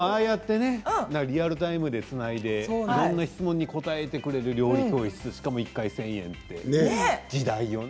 でも、ああやってリアルタイムでつないでいろんな質問に答えてくれる料理教室、しかも１回１０００円って時代よね。